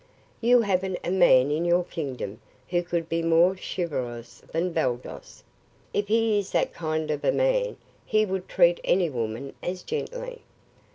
"You haven't a man in your kingdom who could be more chivalrous than Baldos." "If he is that kind of a man, he would treat any woman as gently."